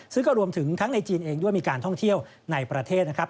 ซึ่งก็รวมถึงทั้งในจีนเองด้วยมีการท่องเที่ยวในประเทศนะครับ